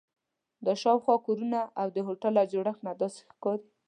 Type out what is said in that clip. له شاوخوا کورونو او د هوټل له جوړښت نه داسې ښکاري.